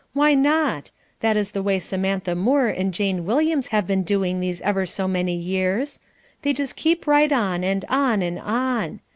Why not? That is the way Samantha Moore and Jane Williams have been doing these ever so many years. They keep right on, and on, and on.